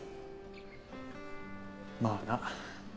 まあな。